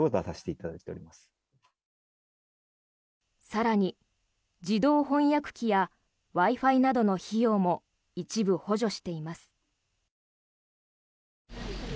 更に、自動翻訳機やＷｉ−Ｆｉなどの費用も一部補助しています。